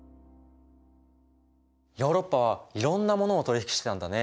ヨーロッパはいろんなものを取り引きしてたんだね。